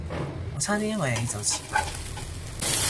我差啲因為你就遲到